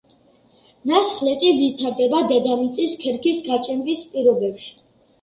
ნასხლეტი ვითარდება დედამიწის ქერქის გაჭიმვის პირობებში.